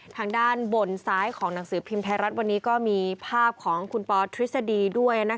ทางด้านบนซ้ายของหนังสือพิมพ์ไทยรัฐวันนี้ก็มีภาพของคุณปอทฤษฎีด้วย